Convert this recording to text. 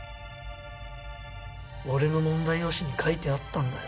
俺の問題用紙に書いてあったんだよ。